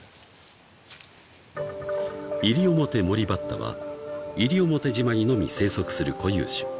［イリオモテモリバッタは西表島にのみ生息する固有種］